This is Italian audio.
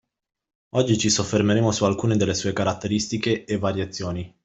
Oggi ci soffermeremo su alcune delle sue caratteristiche e variazioni